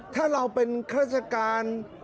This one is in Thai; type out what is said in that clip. ถ้าเราเป็นฆาติการ